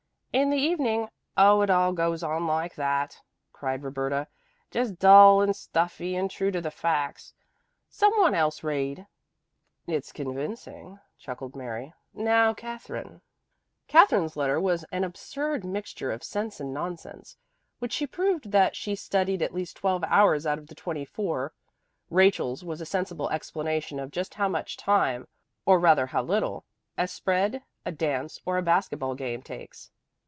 "In the evening Oh it all goes on like that," cried Roberta. "Just dull and stuffy and true to the facts. Some one else read." "It's convincing," chuckled Mary. "Now Katherine." Katherine's letter was an absurd mixture of sense and nonsense, in which she proved that she studied at least twelve hours out of the twenty four. Rachel's was a sensible explanation of just how much time, or rather how little, a spread, a dance or a basket ball game takes.